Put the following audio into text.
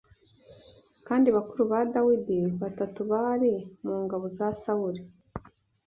Kandi bakuru ba Dawidi batatu bari mu ngabo za Sawuli